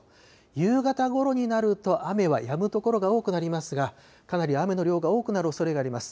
夕方ごろになると雨はやむ所が多くなりますがかなり雨の量が多くなるおそれがあります。